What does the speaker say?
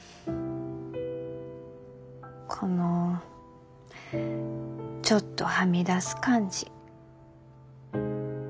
このちょっとはみ出す感じ。